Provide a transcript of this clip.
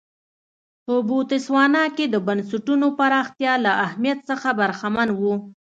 په بوتسوانا کې د بنسټونو پراختیا له اهمیت څخه برخمن و.